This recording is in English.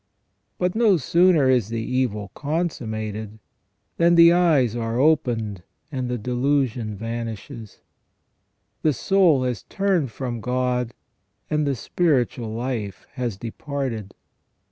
But no sooner is the evil consummated than the eyes are opened and the delusion vanishes. The soul has turned from God, and the spiritual life has departed.